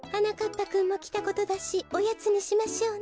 ぱくんもきたことだしおやつにしましょうね。